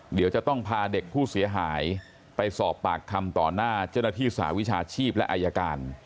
เดี๋ยวจะต้องพาเด็กผู้เสียหายไปสอบปากคำต่อหน้าเจ้าหน้าที่สหวิชาชีพและอายการ